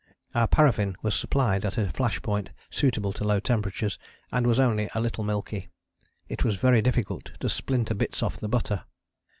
Our paraffin was supplied at a flash point suitable to low temperatures and was only a little milky: it was very difficult to splinter bits off the butter.